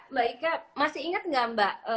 mbak ika masih inget gak mbak